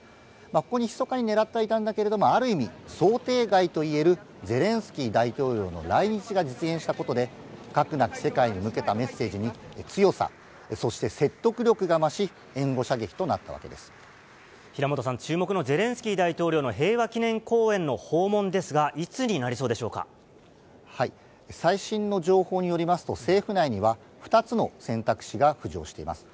ここにひそかにねらっていたんだけども、ある意味、想定外といえるゼレンスキー大統領の来日が実現したことで、核なき世界に向けたメッセージに強さ、そして説得力が増し、援護射撃となったわけ平本さん、注目のゼレンスキー大統領の平和記念公園の訪問ですが、いつにな最新の情報によりますと、政府内には、２つの選択肢が浮上しています。